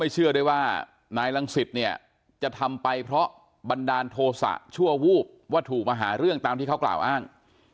จะทำไปเพราะบันดาลโทษะชั่ววูบว่าถูกมหาเรื่องตามที่เขากล่าวอ้าง